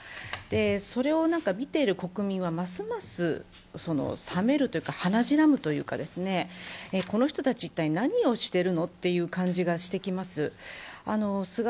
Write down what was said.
それを見ている国民は、ますます冷めるというか鼻白むというか、この人たち一体何をしているのという感じがしてきます。